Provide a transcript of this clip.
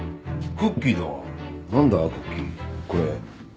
クッキーこれ。